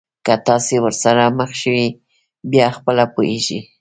که تاسي ورسره مخ شوی بیا خپله پوهېږئ.